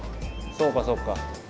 そうかそうか。